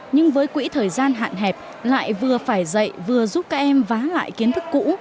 nhưng với quỹ thời gian hạn hẹp lại vừa phải dạy vừa giúp các em vá lại kiến thức cũ